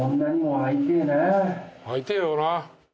会いてぇよな。